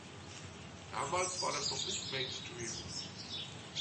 Damals war das noch nicht Mainstream.